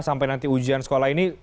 sampai nanti ujian sekolah ini